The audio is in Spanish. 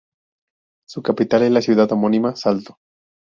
Su capital es la ciudad homónima Salto.